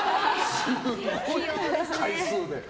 すごい回数で。